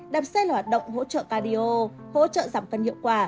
đạp xe là hoạt động hỗ trợ cardio hỗ trợ giảm cân hiệu quả